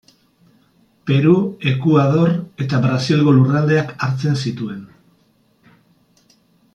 Peru, Ekuador eta Brasilgo lurraldeak hartzen zituen.